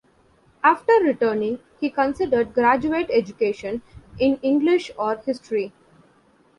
After returning, he considered graduate education in English or History.